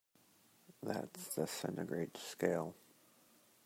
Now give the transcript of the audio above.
That's the centigrade scale.